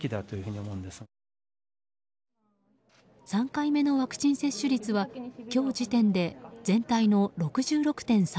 ３回目のワクチン接種率は今日時点で全体の６６．３％。